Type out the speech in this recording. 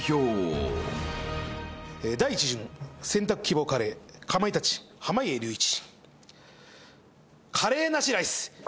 第１巡選択希望カレーかまいたち濱家隆一。